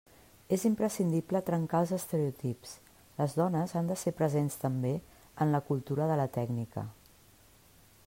És imprescindible trencar els estereotips, les dones han de ser presents també en la cultura de la tècnica.